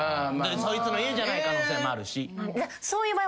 そいつの家じゃない可能性もあるし。